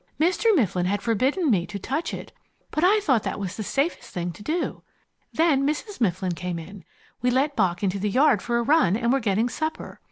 Mr. Mifflin had forbidden me to touch it, but I thought that the safest thing to do. Then Mrs. Mifflin came in. We let Bock into the yard for a run, and were getting supper.